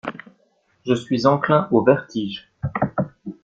Je suis enclin au vertige.